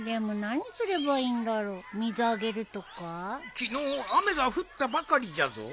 昨日雨が降ったばかりじゃぞ？